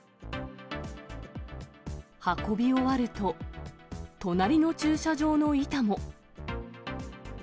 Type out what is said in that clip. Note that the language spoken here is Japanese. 運び終わると、隣の駐車場の板も。